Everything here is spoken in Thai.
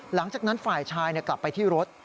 หลังจากนั้นฝ่ายชายกลับไปที่รถ